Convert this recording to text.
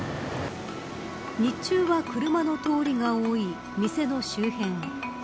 日中は車の通りが多い店の周辺。